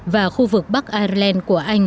và khu vực bắc ireland của anh